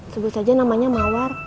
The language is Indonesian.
sebelah saja namanya mawar